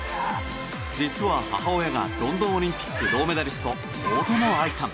実は母親がロンドンオリンピック銅メダリスト大友愛さん。